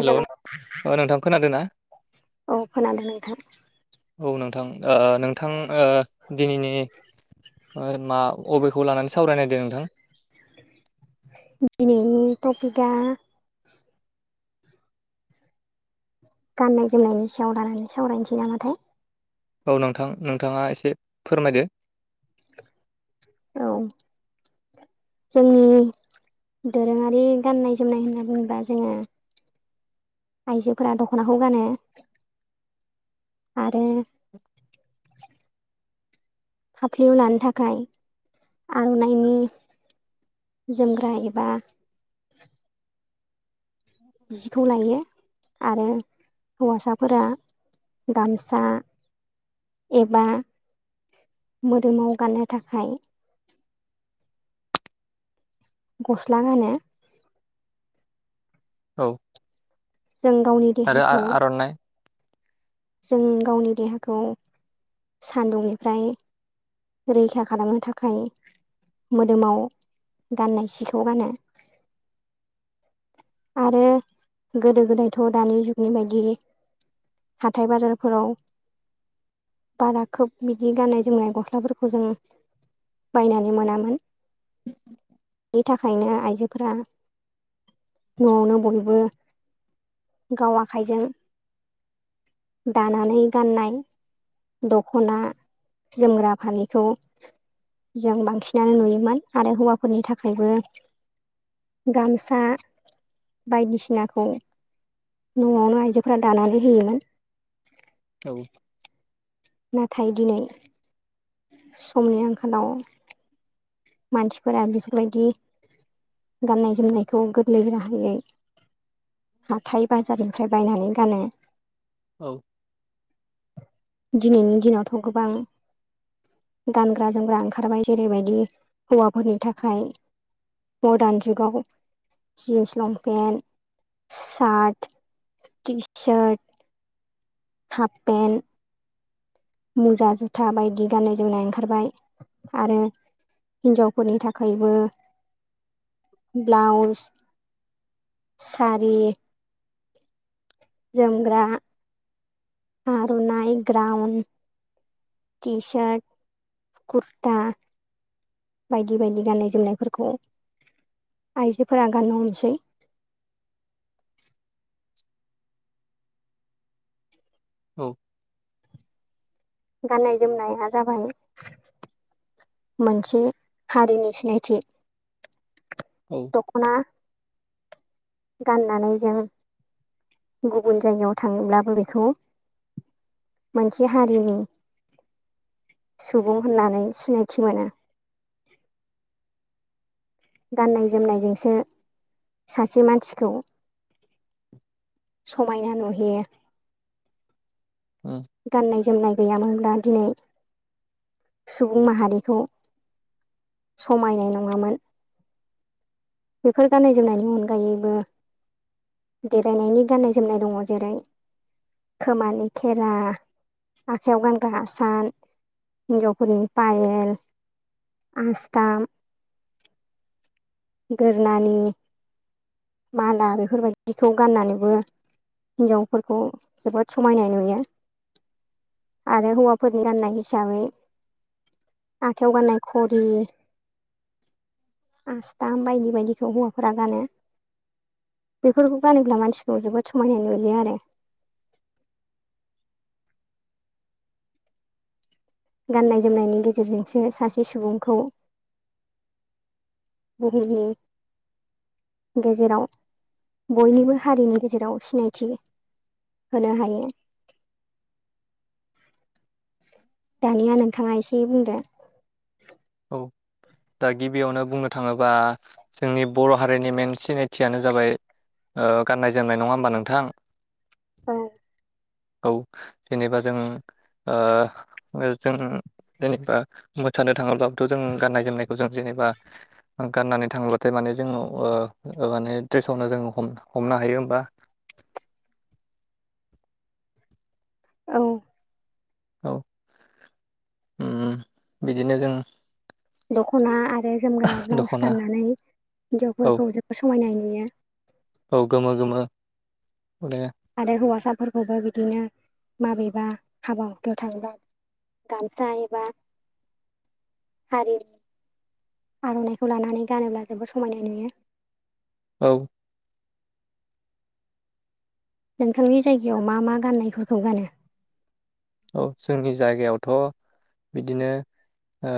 Hello ओ नोंथां खोनादों ना? औ खोनादों नोंथां। औ नोंथां ओ नोंथां ओ दिनिनि ओ मा अबेखौ लानानै सावरायनायदों नोंथां? [inaudible] दा गाननाय-जोमनायनि सायाव लानानै सावरायनोसै नामाथाय। औ नोंथां नोंथाङा एसे फोरमायदो। औ जोंनि दोरोङारि गाननाय-जोमनाय होनना बुङोब्ला जोङो आइजोफोरा दख'नाखौ गानो। आरो फाफ्लियाव लानो थाखाय आर'नाइनि जोमग्रा एबा जिखौ लायो आरो हौवासाफोरा गामसा एबा मोदोमाव गाननो थाखाय ग'स्ला गानोे। औ। जों गावनि आरो देहाखौ आ-आर'नाइ जों गावनि देहाखौ सान्दुंनिफ्राय रैखा खालामनो थाखाय मोदोमाव गाननाय सिखौ गानो। [unintelligible] आरो गोदो-गोदायथ' दानि जुगनि बायदि हाथाय बाजारफोराव बारा खोब बिदि गाननाय जोमनाय ग'स्लाफोरखौ जों बायनानै मोनामोन। नि थाखायनो आइजोफोरा न'आवनो बयबो गाव आखाइजों दानानै गाननाय दख'ना जोमग्रा फालिखौ जों बांसिनानो नुयोमोन आरो हौवाफोरनि थाखायबो गामसा बायदिसिनाखौ न'आवनो आइजोफोरा दानानै होयोमोन। औ। नाथाय दिनै समनि आंखालाव मानसिफोरा बेफोरबायदि गाननाय-जोमनायखौ गोरलै राहायै हाथाय-बाजारनिफ्राय बायनानै गानो। औ दिनैनि दिनावथ' गोबां गानग्रा जोमग्रा ओंखारबाय जेरैबायदि हौवाफोरनि थाखाय मडार्न जुगाव jeans long pant shirt T shirt half pant मुजा जुथा बायदि गाननाय जोमनाय ओंखारबाय आरो हिनजावफोरनि थाखायबो ब्लाउस सारि जोमग्रा आर'नाय ग्राउन टिसार्ट कुरता बायदि बायदि गाननाय जोमनायफोरखौ आइजोफोरा गाननो हमसै। [inaudible] औ गाननाय जोमनाया जाबाय मोनसे हारिनि सिनायथि। औ दख'ना गाननानै जों गुबुन जायगायाव थाङोब्लाबो बेखौ मोनसे हारिनि सुबुं होननानै सिनायथि मोनो। गाननाय जोमनायजोंसो सासे मानसिखौ समायना नुहोयो। उम गाननाय जोमनाय गैयामोनब्ला दिनै सुबुं माहारिखौ समायनाय नङामोन। बेफोर गाननाय जोमनायनि अनगायैबो देलायनायनि गाननाय जोमनाय दङ जेरै खोमानि खेरा, आखाइयाव गानग्रा हासान, हिन्जावफोरनि पायेल आस्थाम, गोदोनानि माला बेफोरबायदिखौ गाननानैबो हिन्जावफोरखौ जोबोद समायनाय नुयो। आरो हौवाफोरनि गाननाय हिसाबै आखायाव गाननाय घरि बायदि बायदिखौ हौवाफोरा गानो। बेफोरखौ गानोब्ला मानसिखौ जोबोद समायना नुयो आरो। [inaudible] गाननाय जोमनायनि गेजेरजोंसो सासे सुबुंखौ [unintelligible] गेजेराव बयनिबो हारिनि गेजेराव सिनायथि होनो हायो। [inaudible] दानिया नोंथाङा एसे बुंदो। औ दा गिबियावनो बुंनो थाङोबा जोंनि बर' हारिनि मेन सिनायथियानो जाबाय गाननाय जोमनाय नङा होमबा नोंथां? औ औ जेनेबा जों ओ जों जेनेबा मोसानो थाङोब्ला थ जों गाननाय जोमनायखौ जों जेनेबा गाननानै थांब्लाथाय माने जों माने बे समावनो जों हमनो हायो। बा औ औ बिदिनो जों दख'ना आरो जोमग्रा ब्लाउस दख'ना गाननानै औ हिन्जावफोरखौ जोबोद समायनाय नुयो। औ गोमो गोमो माने आरो हौवासाफोरखौबो बिदिनो माबेबा हाबा हुखायाव थाङोब्ला गामसा एबा हारिनि आर'नाइखौ लानानै गानोब्ला जोबोद समायनाय नुयो। औ। नोंथांनि जायगायाव मा मा गाननायफोरखौ गानो? औ जोंनि जायगायावथ' बिदिनो ओ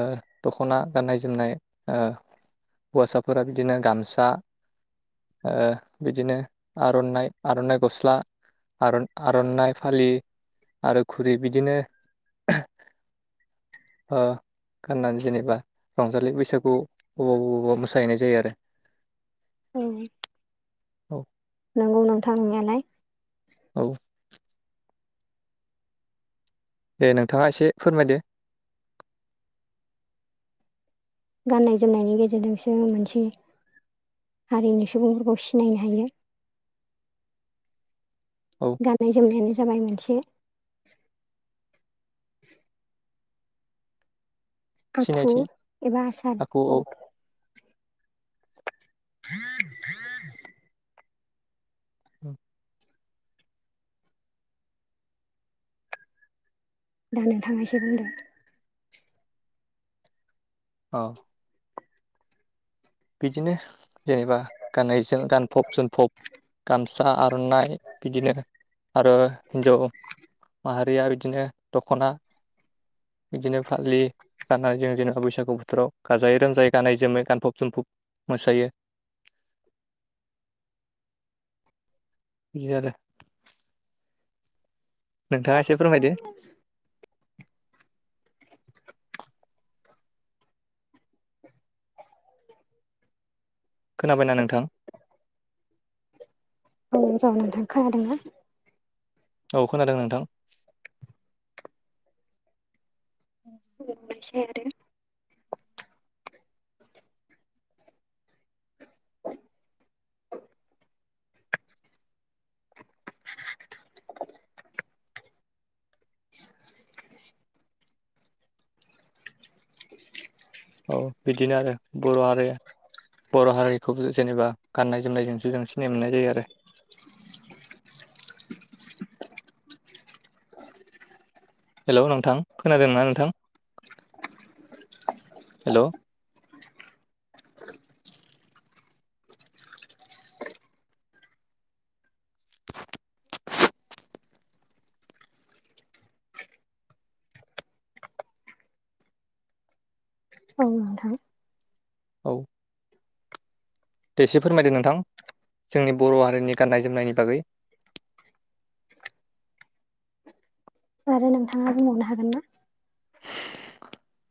दख'ना गाननाय जोमनाय ओ हौवासाफोरा बिदिनो गामसा ओ बिदिनो आर'नाइ आर'नाइ गस्ला आर'नाइ फालि आरो खुरै बिदिनो अ गाननानै जेनेबा रंजालि बैसागु अबाव अबावबा मोसाहैनाय जायो आरो औ औ नंगौ नोंथांनियालाय औ दे नोंथाङा एसे फोरमायदो गाननाय जोमनायनि गेजेरजोंसो मोनसे हारिनि सुबुंफोरखौ सिनायनो हायो [inaudible] औ गाननाय जोमनायानो जाबाय मोनसे आखु सिनायथि एबा आसार आखु औ [unintelligible] [unintelligible] [unintelligible] औ दा नोंथांनायसो बुंद औ बिदिनो जेनेबा गाननायजों गानफब जोमफब गामसा आर'नाइ बिदिनो आरो हिनजाव माहारिया बिदिनो दख'ना बिदिनो फालि गानाय जों जेनेबा बैसागु बोथोराव गाजायै रोमजायै गाननाय जोमै गानफब जोमफब मोसायो बि आरो नोंथाङा एसे फोरमायदो खोनाबायना नोंथां [unintelligible] खोनादों ना औ खोनादों नोंथां [inaudible] [unintelligible] आरो औ बिदिनो आरो बर' हारिया बर' हारिखौ जेनेबा गाननाय जोमनायजोंसो जों सिनाय मोननाय जायो आरो [inaudible] हेल' नोंथां खोनादोंना नोंथां हेल' औ नोंथां औ दे एसे फोरमायदों नोंथां जोंनि बर' हारिनि गाननाय जोमनायनि बागै [inaudible] आरो नोंथाङा बुंबावनो हागोन ना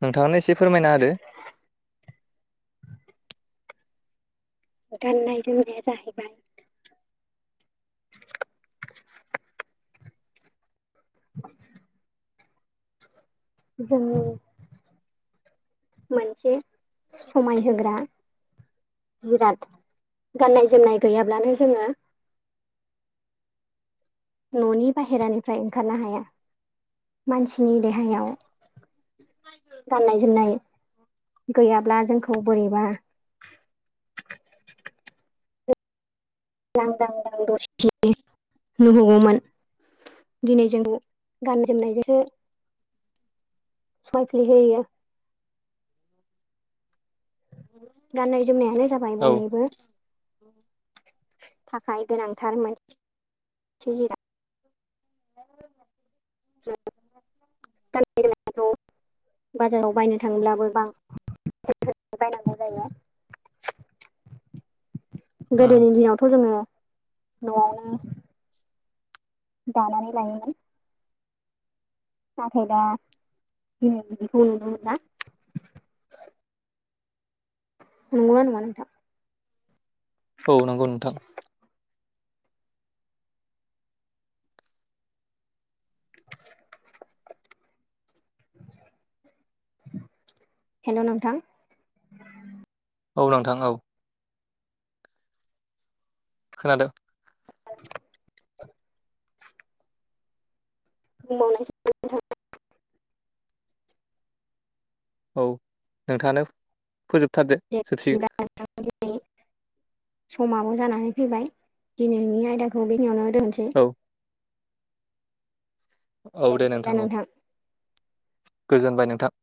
नोंथांआनो एसे फोरमायना होदो गाननाय जोमनाया जाहैबाय जोंनि मोनसे समाय होग्रा जिराद गाननाय जोमनाय गैयाब्लानो जोङो न'नि बाहेरानिफ्राय ओंखारनो हाया मानसिनि देहायाव गाननाय जोमनाय गैयाब्ला जोंखौ बोरैबा [unintelligible] नुहगौमोन दिनै जोंबो गाननाय जोमनायजोंसो सफ्ले होयो गाननाय जोमनायानो जाबाय औ बयनिबो थाखाय गोनांथारमोनि [unintelligible] गाननाय जोमनाय खौ बाजाराव बायनो थाङोब्लाबो बांसि [unintelligible] बायनांगौ जायो [inaudible] उम गोदोनि दिनावथ' जोङो न'आवनो दानानै लायोमोन नाथाय दा जों बिदिखौ नुनो मोना नंगोना नङा नोंथां औ नंगौ नोंथां [inaudible] हेल' नोंथां औ नोंथां औ खोनादो [inaudible] [unintelligible] औ नोंथाङानो फोजोबथारदो दे जोबसिगोन बिदिबा समाबो जानानै फैबाय दिनैनि आयदाखौ बेखिनियावनो दोननोसै औ औ दे नोंथां औ गोजोनबाय नोंथां